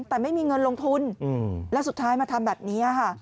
แต่ไม่มีเงินลงทุนแล้วสุดท้ายมาทำแบบนี้ค่ะ